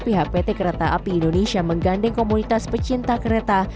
pihak pt kereta api indonesia menggandeng komunitas pecinta kereta